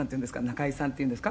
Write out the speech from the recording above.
仲居さんっていうんですか？」